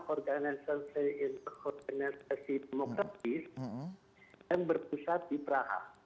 organisasi demokratis yang berpusat di praha